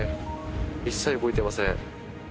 一切動いていません。